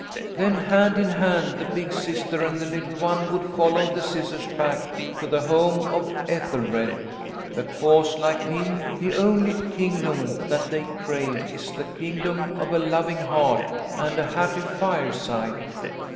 Then, hand in hand, the big sister and the little one would follow the Scissors back to the home of Ethel red, because, like him, the only kingdom that they crave is the kingdom of a loving heart and a happy fireside.